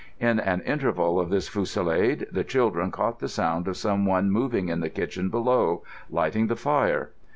In an interval of this fusillade the children caught the sound of someone moving in the kitchen below, lighting the fire.